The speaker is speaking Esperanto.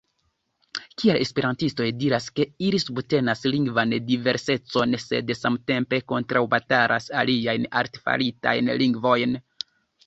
Kial esperantistoj diras, ke ili subtenas lingvan diversecon, sed samtempe kontraŭbatalas aliajn artefaritajn lingvojn?